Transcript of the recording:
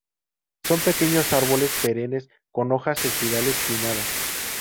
Son pequeños árboles perennes con hojas espirales pinnadas.